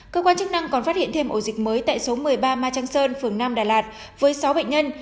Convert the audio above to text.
cơ quan chức năng còn phát hiện thêm ổ dịch mới tại số một mươi ba ma trang sơn phường nam đà lạt với sáu bệnh nhân